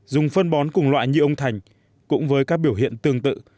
dùng phân bón cùng loại như ông thành cũng với các biểu hiện tương tự